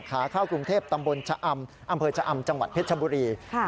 ขาเข้ากรุงเทพตำบลชะอำอำเภอชะอำจังหวัดเพชรชบุรี